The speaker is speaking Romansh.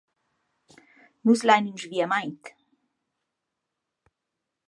No lain ün sviamaint!